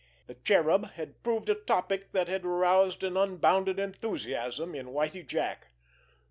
The Cherub had proved a topic that had aroused an unbounded enthusiasm in Whitie Jack.